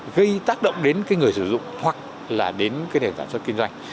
gây tác động đến người sử dụng hoặc là đến nền tảng cho kinh doanh